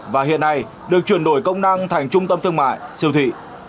và hiện nay được chuyển đổi công năng thành trung tâm thương mại siêu thị